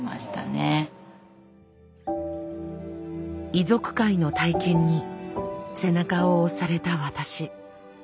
遺族会の体験に背中を押された私。